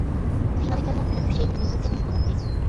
سەينادىكىلەرنىڭ كۈلۈپ ئۈچەيلىرى ئۈزۈلۈپ كەتمىسە بولاتتى.